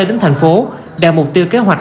đến thành phố đạt mục tiêu kế hoạch